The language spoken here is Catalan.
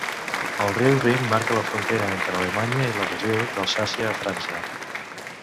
El riu Rin marca la frontera entre Alemanya i la regió d'Alsàcia a França.